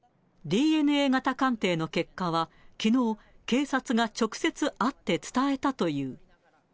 ＤＮＡ型鑑定の結果は、きのう、警察が直接会って伝えたという。